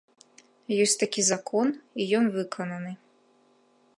Ёсць такі закон, і ён выкананы.